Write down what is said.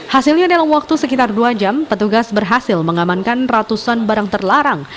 hasilnya dalam waktu sekitar dua jam petugas berhasil mengamankan ratusan barang terlarang